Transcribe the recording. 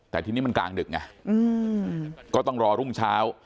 แต่ทีนี้มันกลางดึกไงก็ต้องรอรุ่งเช้า